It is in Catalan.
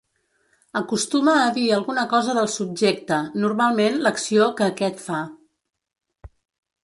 Acostuma a dir alguna cosa del subjecte, normalment l'acció que aquest fa.